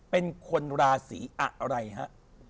เป็นคนราศีอะไรฮะ